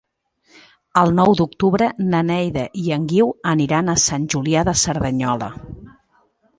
El nou d'octubre na Neida i en Guiu aniran a Sant Julià de Cerdanyola.